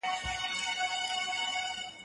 زه اوږده وخت نان خورم؟!